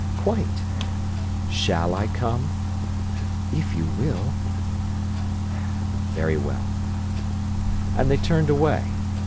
"Quite!" "Shall I come?" "If you will." "Very well." And they turned away.